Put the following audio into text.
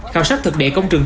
khảo sát thực địa công trường